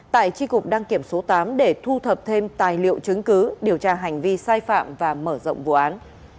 tại tri cục đăng kiểm số tám để thu thập thêm tài liệu chứng cứ điều tra hành vi sai phạm và mở rộng vụ án